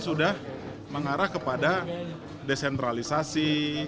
sudah mengarah kepada desentralisasi